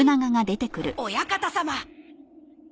お館様。